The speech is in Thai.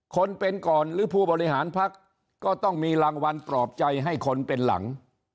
คนเป็นก่อนหรือผู้บริหารพักก็ต้องมีรางวัลปลอบใจให้คนเป็นหลัง